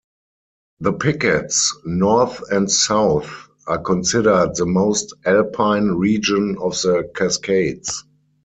The Pickets, north and south, are considered the most Alpine region of the Cascades.